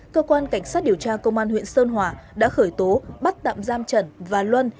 cơ quan cảnh sát điều tra công an huyện sơn hòa đã khởi tố bắt tạm giam trần và luân